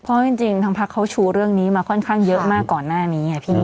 เพราะจริงทางพักเขาชูเรื่องนี้มาค่อนข้างเยอะมากก่อนหน้านี้ไงพี่